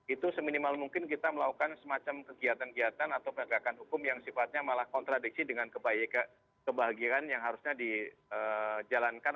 itu seminimal mungkin kita melakukan semacam kegiatan kegiatan atau penegakan hukum yang sifatnya malah kontradiksi dengan kebahagiaan yang harusnya dijalankan